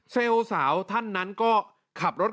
เซลล์สาวท่านนั้นก็ขับรถ